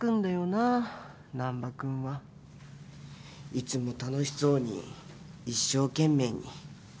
いつも楽しそうに一生懸命に。